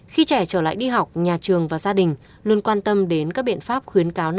khi trẻ trở lại đi học nhà trường và gia đình luôn quan tâm đến các biện pháp khuyến cáo